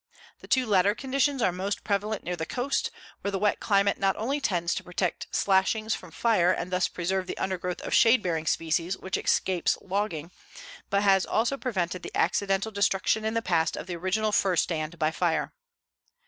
The two latter conditions are most prevalent near the coast, where the wet climate not only tends to protect slashings from fire and thus preserve the undergrowth of shade bearing species which escapes logging, but has also prevented the accidental destruction in the past of the original fir stand by fire.